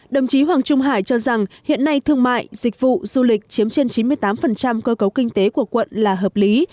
đồng chí hoàng trung hải cho rằng hiện nay thương mại dịch vụ du lịch chiếm trên chín mươi tám cơ cấu kinh tế của quận là hợp lý